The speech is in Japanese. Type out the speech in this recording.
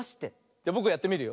じゃぼくがやってみるよ。